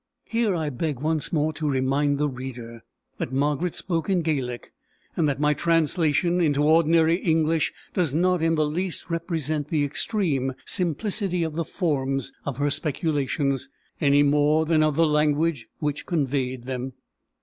(Here I beg once more to remind the reader, that Margaret spoke in Gaelic, and that my translation into ordinary English does not in the least represent the extreme simplicity of the forms of her speculations, any more than of the language which conveyed them.)